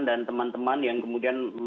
dan teman teman yang kemudian